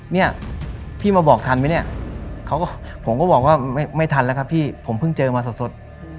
เนี่ยพี่มาบอกทันไหมเนี่ยผมก็บอกว่าไม่ทันแล้วครับพี่ผมเพิ่งเจอมาสด